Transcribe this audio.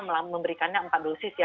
memberikannya empat dosis ya